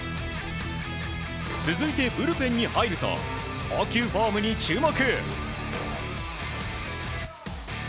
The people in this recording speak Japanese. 続いて、ブルペンに入ると投球フォームに注目。